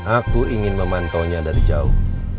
aku ingin memantaunya dari jauh